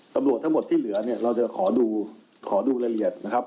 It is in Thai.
ตำรวจทั้งหมดที่เหลือเนี่ยเราจะขอดูขอดูรายละเอียดนะครับ